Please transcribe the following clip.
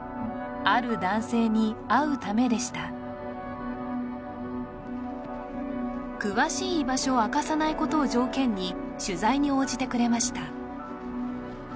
ある男性に会うためでした詳しい居場所を明かさないことを条件に取材に応じてくれましたＨｉ！